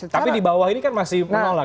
tapi di bawah ini kan masih menolak kang ujang